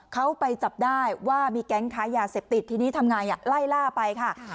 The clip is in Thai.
เขาไปจับได้ว่ามีแก๊งค้ายาเสพติดทีนี้ทำไงไล่ล่าไปค่ะ